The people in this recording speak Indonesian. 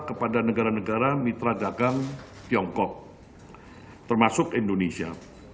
kepada negara negara mitra dagang tiongkok termasuk indonesia